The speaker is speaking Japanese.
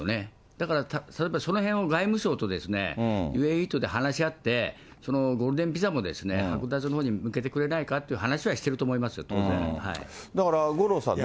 だから例えばそのへんを外務省とＵＡＥとで話し合って、ゴールデンビザも剥奪のほうに向けてくれないかという話はしてるだから、五郎さんね。